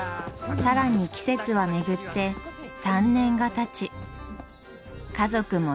更に季節は巡って３年がたち家族も一人増えました。